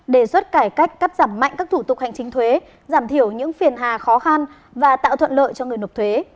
đề xuất cải cách cắt giảm mạnh các thủ tục hành chính thuế giảm thiểu những phiền hà khó khăn và tạo thuận lợi cho người nộp thuế